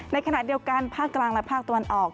ในขณะเดียวกันภาคกลางและภาคตะวันออก